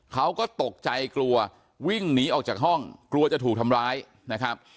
เขาก็ตกใจกลัววิ่งหนีออกจากห้องกลัวจะถูกทำร้ายนะครับ